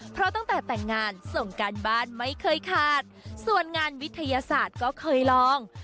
เพราะตั้งแต่แต่งงานส่งการบ้านไม่เคยขาดส่วนงานวิทยาศาสตร์ก็เคยลอง